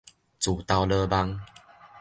自投羅網